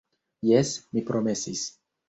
Jes, mi promesis.